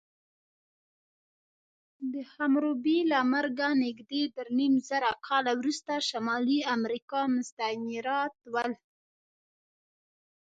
د حموربي له مرګه نږدې درېنیمزره کاله وروسته شمالي امریکا مستعمرات ول.